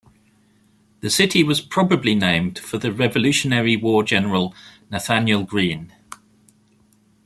The city was probably named for the Revolutionary War general Nathanael Greene.